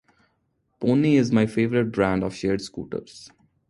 Pony is my favorite brand of shared scooters.